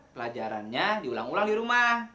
pelajarannya diulang ulang di rumah